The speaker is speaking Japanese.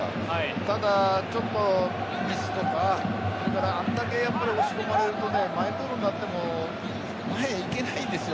ただ、ちょっとミスとかあれだけ、やっぱり押し込まれるとマイボールもなっても前にいけないですよ